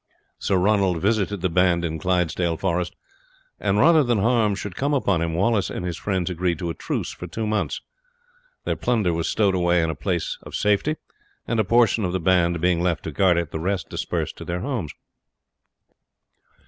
Sir Ronald visited the band in Clydesdale forest, and rather than harm should come upon him, Wallace and his friends agreed to a truce for two months. Their plunder was stowed away in places of safety, and a portion of the band being left to guard it the rest dispersed to their homes.